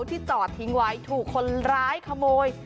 ที่จอดทิ้งไว้ถูกคนร้ายขโมย